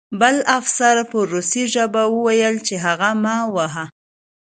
بل افسر په روسي ژبه وویل چې هغه مه وهه